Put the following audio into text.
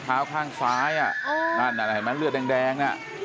ขอเท้าข้างซ้ายนั้นเห็นมั้ยเลือดแดง